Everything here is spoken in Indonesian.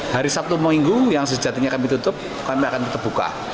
hari sabtu minggu yang sejatinya kami tutup kami akan tetap buka